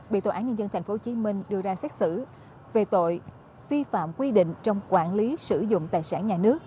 bị tòa án nhân dân tp hcm đưa ra xét xử về tội vi phạm quy định trong quản lý sử dụng tài sản nhà nước